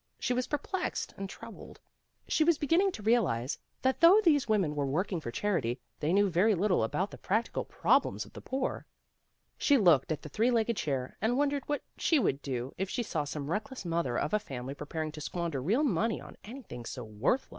She was perplexed and troubled. She was beginning to realize that though these women were working for charity, they knew very little about the practical problems of the poor. She looked at the three legged chair and wondered what she would do if she saw some reckless mother of a family preparing to squander real money on anything so worthless.